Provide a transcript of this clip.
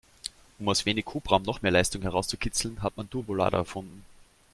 Um aus wenig Hubraum noch mehr Leistung herauszukitzeln, hat man Turbolader erfunden.